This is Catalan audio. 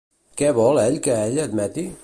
Què vol ell que ella admeti?